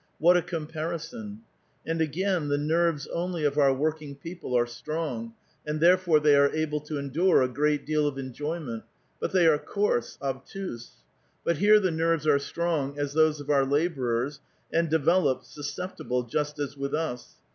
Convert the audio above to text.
What a comparison ! And again, the nerves only of our working people are strong, and therefore they are able to endure a great deal of enjoyment; bnt they are coarse, obtuse ; but here the nerves are strong as those of our lalx)rers, and developed, susceptible^ just as with us.